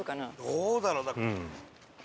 どうだろうな？